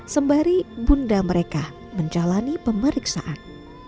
sembari bunda mereka menjalani pemeriksaan